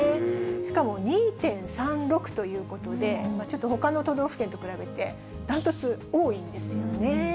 しかも２．３６ということで、ちょっとほかの都道府県と比べて、断トツ、多いんですよね。